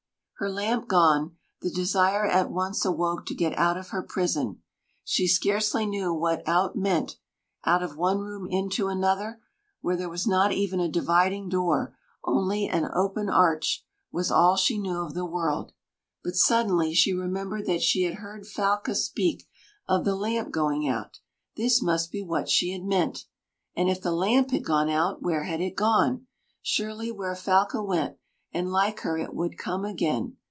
Her lamp gone, the desire at once awoke to get out of her prison. She scarcely knew what out meant; out of one room into another, where there was not even a dividing door, only an open arch, was all she knew of the world. But suddenly she remembered that she had heard Falca speak of the lamp going out: this must be what she had meant. And if the lamp had gone out, where had it gone? Surely where Falca went, and like her it would come again.